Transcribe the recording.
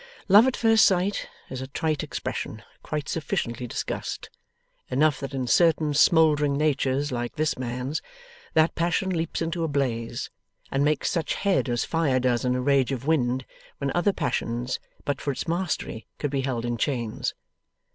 Love at first sight is a trite expression quite sufficiently discussed; enough that in certain smouldering natures like this man's, that passion leaps into a blaze, and makes such head as fire does in a rage of wind, when other passions, but for its mastery, could be held in chains.